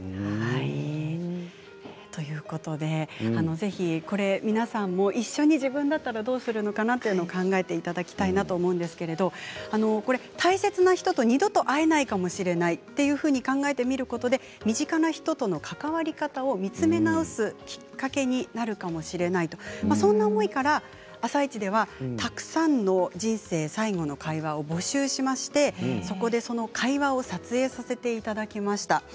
ぜひこれ、皆さんも一緒に自分だったらどうするのかなと考えていただきたいなと思うんですけど大切な人と二度と会えないかもしれないというふうに考えてみることで身近な人との関わり方を見つめ直すきっかけになるかもしれないとそんな思いから「あさイチ」ではたくさんの「人生最後の会話」を募集しましてそこで会話を撮影させていただきました。